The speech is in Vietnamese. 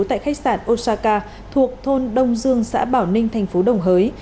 tại khách sạn osaka thuộc thôn đông dương xã bảo ninh thành phố đồng hới